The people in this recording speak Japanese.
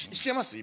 今。